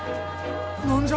何じゃ？